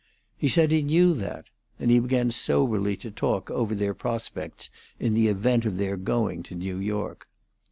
He said he knew that; and he began soberly to talk over their prospects in the event of their going to New York.